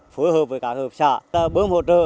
phối hợp với các hợp xã bơm hỗ trợ